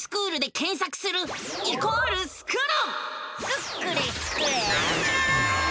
スクれスクれスクるるる！